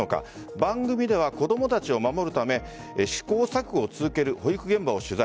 番組では子供たちを守るため試行錯誤を続ける保育現場を取材。